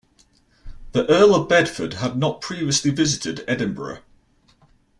The Earl of Bedford had not previously visited Edinburgh.